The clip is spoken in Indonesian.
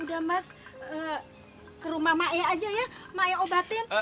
udah mas eh ke rumah ma e aja ya